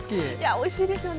おいしいですよね。